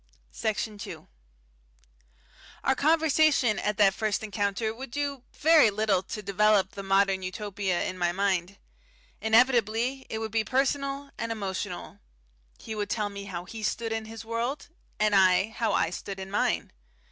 Section 2 Our conversation at that first encounter would do very little to develop the Modern Utopia in my mind. Inevitably, it would be personal and emotional. He would tell me how he stood in his world, and I how I stood in mine.